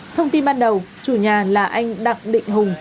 thông tin ban đầu chủ nhà là anh đặng định hùng